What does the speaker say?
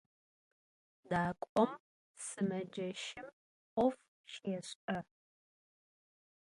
Dak'om sımeceşım 'of şêş'e.